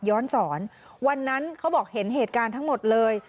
ย้อนสอนวันนั้นเขาบอกเห็นเหตุการณ์ทั้งหมดเลย